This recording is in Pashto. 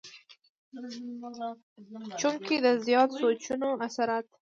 چونکه د زيات سوچونو اثرات